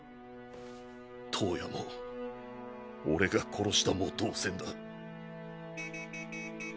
燈矢も俺が殺したも同然だ。